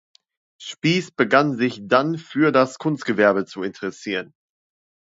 Spiess begann sich dann für das Kunstgewerbe zu interessieren.